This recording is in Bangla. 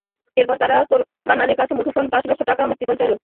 এরপর তারা কোরবান আলীর কাছে মুঠোফোনে পাঁচ লাখ টাকা মুক্তিপণ দাবি করে।